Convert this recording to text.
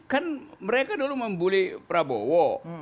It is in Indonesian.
kan mereka dulu membuli prabowo